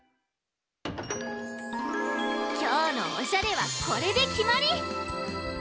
きょうのおしゃれはこれできまり！